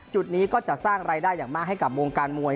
จุดนี้ก็จะสร้างรายได้อย่างมากให้กับวงการมวย